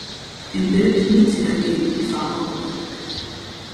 Im Bild mied sie dagegen die Farbe Rot.